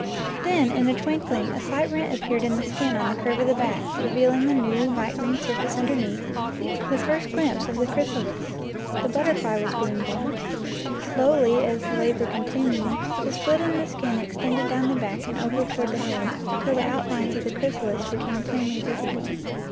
Then in a twinkling a slight rent appeared in the skin on the curve of the back, revealing the new light green surface underneath, the first glimpse of the chrys alis. The butterfly was being born. Slowly, as labor continued, the split in the skin extended down the back and over toward the head till the outlines of the chrysalis became plainly visible.